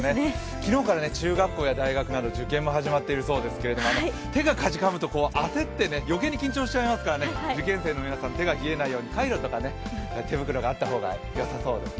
昨日から中学校や大学など受験が始まっているそうですけど手がかじかむと、あせってよけいに緊張しちゃいますからね、受験生の皆さん手が冷えないように、カイロとか手袋があった方がよさそうですね。